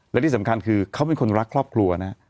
และที่สำคัญคือเขาเป็นคนรักครอบครัวนะฮะ